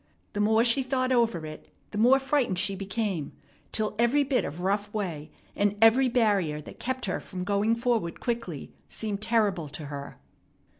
The more she thought over it, the more frightened she became, till every bit of rough way, and every barrier that kept her from going forward quickly, seemed terrible to her.